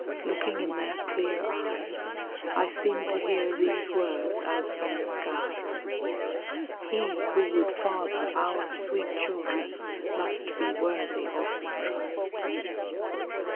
Looking in their clear eyes, I seemed to hear these words as from the skies: 'He who would father our sweet children must Be worthy of the trust.